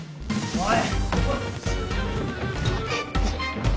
おい！